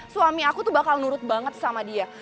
suami aku tuh bakal nurut banget sama dia